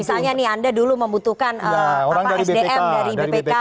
misalnya nih anda dulu membutuhkan sdm dari bpk